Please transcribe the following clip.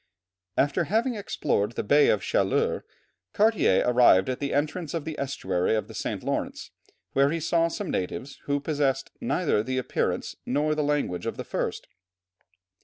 After having explored the Bay of Chaleurs, Cartier arrived at the entrance of the estuary of the St. Lawrence, where he saw some natives, who possessed neither the appearance nor the language of the first.